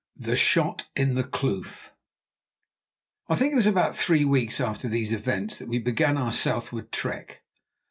THE SHOT IN THE KLOOF I think it was about three weeks after these events that we began our southward trek.